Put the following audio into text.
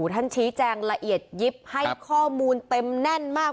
ท่านชี้แจงละเอียดยิบให้ข้อมูลเต็มแน่นมาก